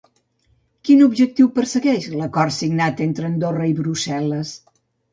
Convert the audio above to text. Quin objectiu persegueix l'acord signat entre Andorra i Brussel·les?